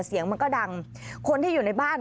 เสียงมันก็ดังคนที่อยู่ในบ้าน